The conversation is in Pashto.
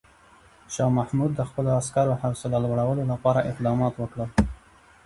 شاه محمود د خپلو عسکرو حوصله لوړولو لپاره اقدامات وکړل.